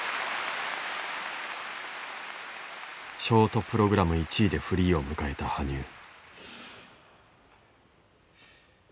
ショートプログラム１位でフリーを迎えた羽生。